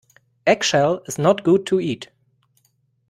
Eggshell is not good to eat.